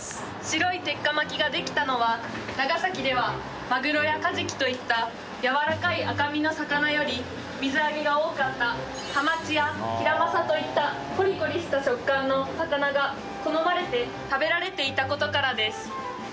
白い鉄火巻きができたのは長崎ではマグロやカジキといったやわらかい赤身の魚より水揚げが多かったハマチやヒラマサといったコリコリした食感の魚が好まれて食べられていた事からです。